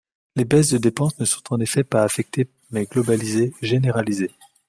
Les baisses de dépenses ne sont en effet pas affectées mais globalisées, généralisées.